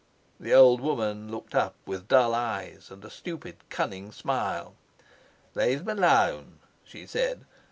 The old woman looked up with dull eyes and a stupid, cunning smile. "Let them alone," she said.